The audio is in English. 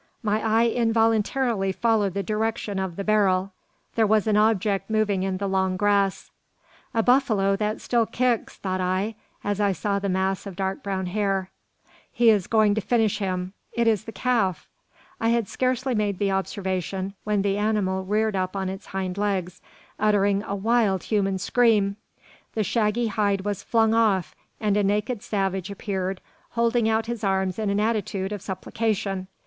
My eye involuntarily followed the direction of the barrel. There was an object moving in the long grass. "A buffalo that still kicks," thought I, as I saw the mass of dark brown hair; "he is going to finish him; it is the calf!" I had scarcely made the observation when the animal reared up on its hind legs, uttering a wild human scream; the shaggy hide was flung off; and a naked savage appeared, holding out his arms in an attitude of supplication.